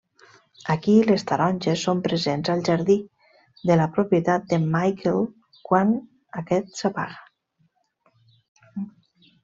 Aquí, les taronges són presents al jardí de la propietat de Michael quan aquest s'apaga.